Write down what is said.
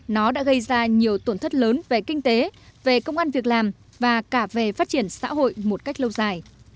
nó đã gây ra nhiều tổn thất lớn về kinh tế về công an việc làm và cả về phát triển xã hội một cách lâu dài